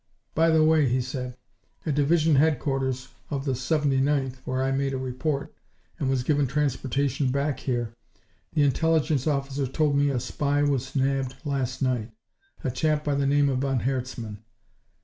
"By the way," he said, "at Division Headquarters of the 79th, where I made a report and was given transportation back here, the Intelligence Officer told me a spy was nabbed last night a chap by the name of von Herzmann.